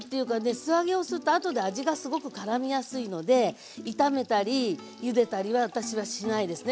素揚げをするとあとで味がすごくからみやすいので炒めたりゆでたりは私はしないですね